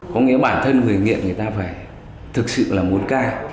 có nghĩa bản thân người nghiện người ta phải thực sự là muốn ca